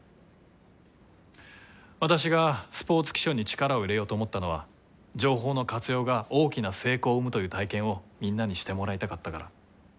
私がスポーツ気象に力を入れようと思ったのは情報の活用が大きな成功を生むという体験をみんなにしてもらいたかったから。